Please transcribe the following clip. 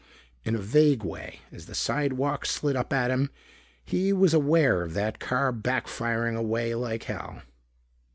In a vague way, as the sidewalk slid up at him, he was aware of that car back firing away like hell.